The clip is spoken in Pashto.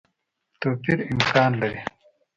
توپیر امکان لري.